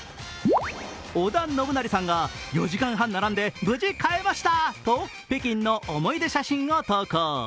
織田信成さんが４時間半並んで無事買えましたと北京の思い出写真を投稿。